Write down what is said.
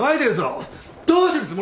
どうするつもりなんだ！